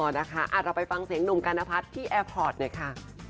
อ๋อนะคะเราไปฟังเสียงหนุ่มกัณฑัฐที่แอร์พอร์ตนี่ค่ะ